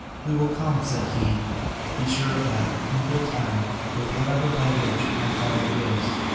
"We will come," said he, "be sure of that, in good time, with whatever baggage my father gives."